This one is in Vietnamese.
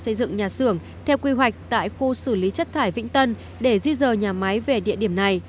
xây dựng nhà xưởng theo quy hoạch tại khu xử lý chất thải vĩnh tân để di rời nhà máy về địa điểm này